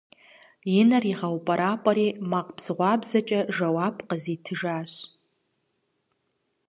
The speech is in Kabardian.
И нэр игъэупӀэрапӀэри, макъ псыгъуабзэкӀэ жэуап къызитыжащ.